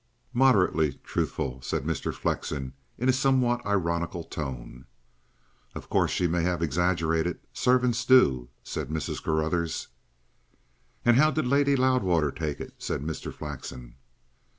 "Moderately truthful," said Mr. Flexen in a somewhat ironical tone. "Of course she may have exaggerated. Servants do," said Mrs. Carruthers. "And how did Lady Loudwater take it?" said Mr. Flexen.